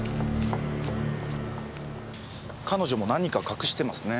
彼女も何か隠してますね。